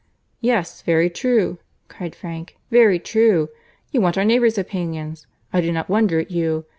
"Yes, very true," cried Frank, "very true. You want your neighbours' opinions. I do not wonder at you.